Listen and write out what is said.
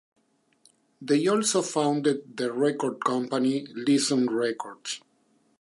They also founded the record company Listen Records.